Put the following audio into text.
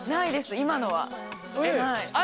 今のは。